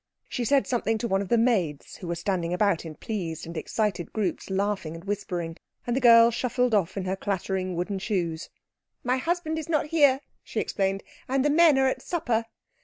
She said something to one of the maids, who were standing about in pleased and excited groups laughing and whispering, and the girl shuffled off in her clattering wooden shoes. "My husband is not here," she explained, "and the men are at supper."